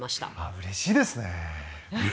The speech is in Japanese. うれしいですね。